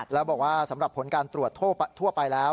แล้วบอกว่าสำหรับผลการตรวจทั่วไปแล้ว